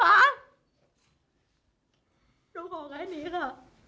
หนูบอกแค่นี้ค่ะ